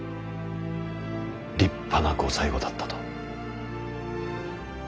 立派なご最期だったと。